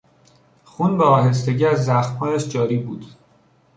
خون به آهستگی از زخمهایش جاری بود.